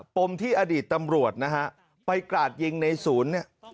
มที่อดีตตำรวจนะฮะไปกราดยิงในศูนย์เนี่ย